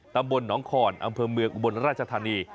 ตำบลหนองคอนอำเภอเมืองอุบลราชธานี